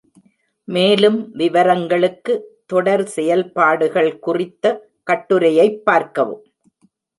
மேலும் விவரங்களுக்கு தொடர் செயல்பாடுகள் குறித்த கட்டுரையைப் பார்க்கவும்.